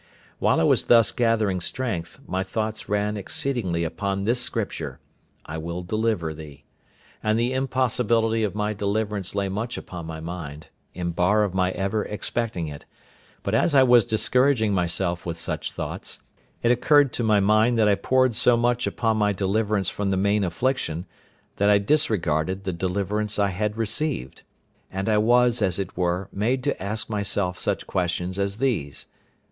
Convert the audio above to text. While I was thus gathering strength, my thoughts ran exceedingly upon this Scripture, "I will deliver thee"; and the impossibility of my deliverance lay much upon my mind, in bar of my ever expecting it; but as I was discouraging myself with such thoughts, it occurred to my mind that I pored so much upon my deliverance from the main affliction, that I disregarded the deliverance I had received, and I was as it were made to ask myself such questions as these—viz.